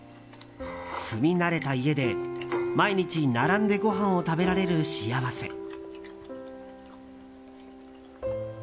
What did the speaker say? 住み慣れた家で毎日並んでごはんを食べられる幸せ。